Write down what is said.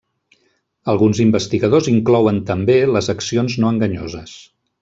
Alguns investigadors inclouen també les accions no enganyoses.